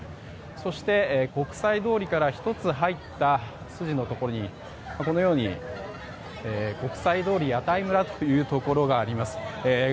そして国際通りから１つ入った筋のところにこのように国際通り屋台村というところがあります。